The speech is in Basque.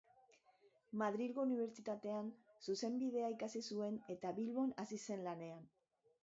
Madrilgo Unibertsitatean Zuzenbidea ikasi zuen eta Bilbon hasi zen lanean.